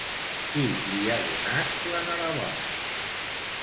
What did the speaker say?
Qui li ha donat l'enhorabona?